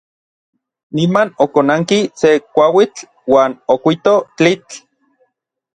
Niman okonanki se kuauitl uan okuito tlitl.